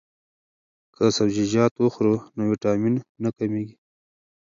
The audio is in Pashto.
که سبزیجات وخورو نو ویټامین نه کمیږي.